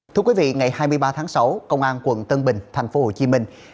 thưa quý vị ngày hai mươi ba tháng sáu công an quận tân bình thành phố hồ chí minh